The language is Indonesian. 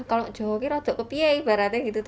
kalau jawa kira jok ke pia ibaratnya gitu